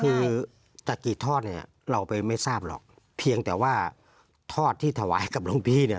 คือตะกี่ทอดเนี่ยเราไปไม่ทราบหรอกเพียงแต่ว่าทอดที่ถวายกับหลวงพี่เนี่ย